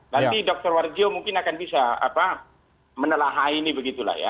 nanti dr warjo mungkin akan bisa menelahai ini begitu lah ya